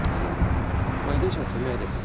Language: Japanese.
まあいずれにしても攻め合いです。